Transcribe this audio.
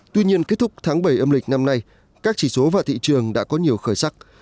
tuy nhiên kết thúc tháng bảy âm lịch năm nay các chỉ số và thị trường đã có nhiều khởi sắc